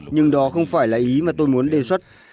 nhưng đó không phải là ý mà tôi muốn đề xuất